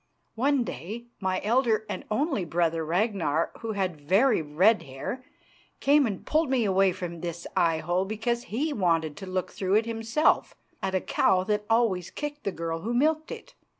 One day my elder and only brother, Ragnar, who had very red hair, came and pulled me away from this eyehole because he wanted to look through it himself at a cow that always kicked the girl who milked it.